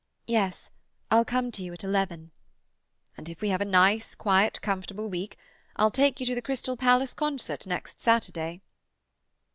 "Yes. I'll come to you at eleven." "And if we have a nice, quiet, comfortable week, I'll take you to the Crystal Palace concert next Saturday."